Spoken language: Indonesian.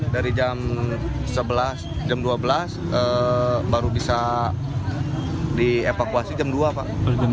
dari jam sebelas jam dua belas baru bisa dievakuasi jam dua pak